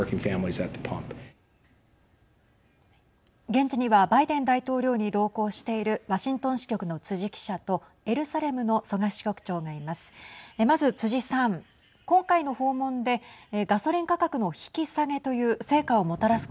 現地にはバイデン大統領に同行しているワシントン支局の辻記者とエルサレムの曽我支局長がいます。